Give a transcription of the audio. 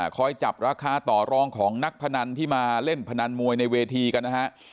จับราคาต่อรองของนักพนันที่มาเล่นพนันมวยในเวทีกันนะฮะ